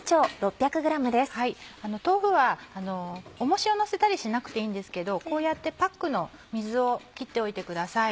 豆腐は重しをのせたりしなくていいんですけどこうやってパックの水を切っておいてください。